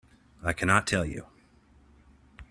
I cannot tell you.